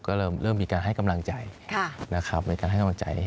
ก็เริ่มมีการให้กำลังใจนะครับในการให้กำลังใจ